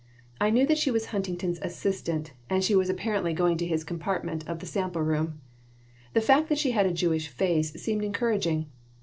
I knew that she was Huntington's assistant and she was apparently going to his compartment of the sample room. The fact that she had a Jewish face seemed encouraging.